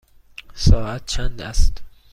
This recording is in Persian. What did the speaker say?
ساعت چند است؟